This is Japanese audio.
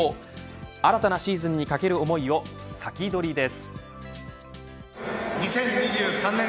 新たなシーズンに懸ける思いを先取りです。